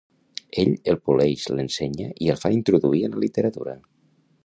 Ell el poleix, l'ensenya i el fa introduir en la literatura.